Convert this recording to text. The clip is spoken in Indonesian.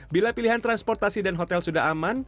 bila pilihan transportasi dan hotel sudah aman